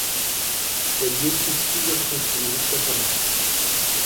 Elle y occupe plusieurs fonctions, jusqu'à sa mort.